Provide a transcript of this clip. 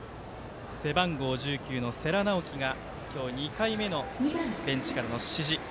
背番号１９の世良直輝が今日２回目のベンチからの指示。